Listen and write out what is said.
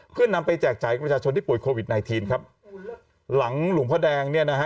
เพื่อนำไปแจกจ่ายกับประชาชนที่ป่วยโควิดไนทีนครับหลังหลวงพ่อแดงเนี่ยนะฮะ